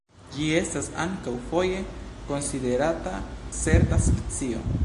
Ĝi estas ankaŭ foje konsiderata certa specio.